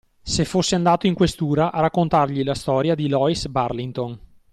Se fosse andato in questura a raccontargli la storia di Loïs Burlington